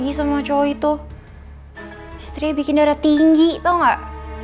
istrinya bikin darah tinggi tau gak